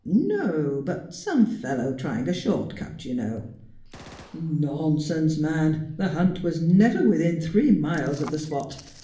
' No, but some fellow trying a short cut, you know '' Nonsense, man, the hunt was never within three miles of the spot.